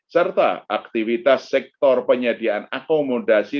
serta aktivitas sektor penyediaan akomodasi